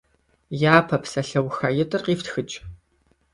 Япэ псалъэухаитӀыр къифтхыкӀ.